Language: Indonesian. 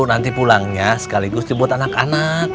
nanti pulangnya sekaligus dibuat anak anak